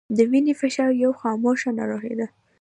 د وینې فشار یوه خاموشه ناروغي ده